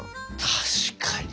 確かに！